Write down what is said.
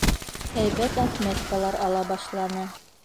Һәйбәт отметкалар ала башланы.